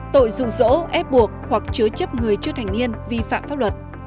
tội dụ dỗ ép buộc hoặc chứa chấp người chưa thành niên vi phạm pháp luật